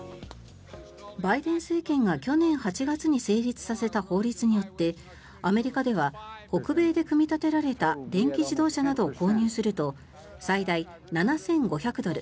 バイデン政権が去年８月に成立させた法律によってアメリカでは北米で組み立てられた電気自動車などを購入すると最大７５００ドル